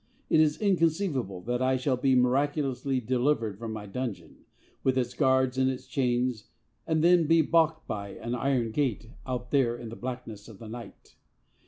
It is inconceivable that I shall be miraculously delivered from my dungeon, with its guards and its chains, and then be baulked by an iron gate out there in the blackness of the night.